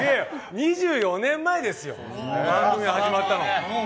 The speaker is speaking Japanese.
２４年前ですよ、始まったの。